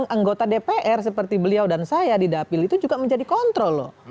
anggota dpr seperti beliau dan saya di dapil itu juga menjadi kontrol loh